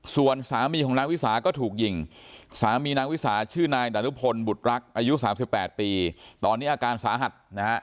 ส่วนสามีของนางวิสาก็ถูกยิงสามีนางวิสาชื่อนายดารุพลบุตรรักอายุ๓๘ปีตอนนี้อาการสาหัสนะฮะ